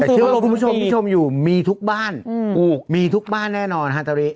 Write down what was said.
แต่เชื่อว่าคุณผู้ชมที่ชมอยู่มีทุกบ้านมีทุกบ้านแน่นอนฮาตาริ